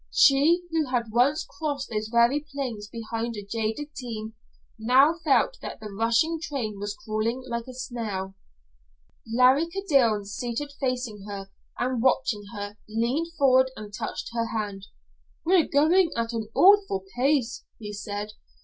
She who had once crossed those very plains behind a jaded team now felt that the rushing train was crawling like a snail. Larry Kildene, seated facing her and watching her, leaned forward and touched her hand. "We're going at an awful pace," he said.